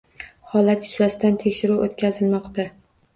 Holat yuzasidan tekshiruv o‘tkazilmoqda